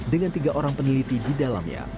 dengan tiga orang peneliti di dalamnya